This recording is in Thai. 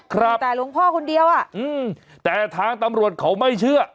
ครับแต่หลวงพ่อคนเดียวอ่ะอืมแต่ทางตำรวจเขาไม่เชื่อ